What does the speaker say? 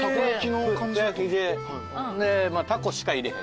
でタコしか入れへん。